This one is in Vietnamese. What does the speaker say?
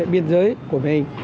biên giới của mình